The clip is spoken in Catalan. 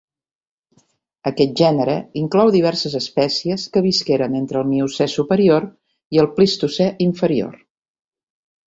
Aquest gènere inclou diverses espècies que visqueren entre el Miocè superior i el Plistocè inferior.